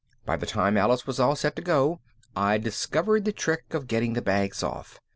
By the time Alice was set to go I'd discovered the trick of getting the bags off.